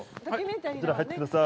こちら、入ってください。